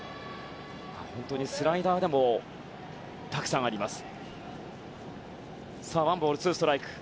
本当にスライダーでもたくさんあります。